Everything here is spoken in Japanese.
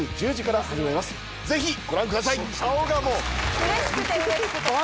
ぜひご覧ください。